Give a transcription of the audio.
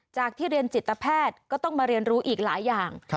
ที่เรียนจิตแพทย์ก็ต้องมาเรียนรู้อีกหลายอย่าง